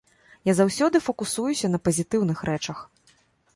Я заўсёды факусуюся на пазітыўных рэчах.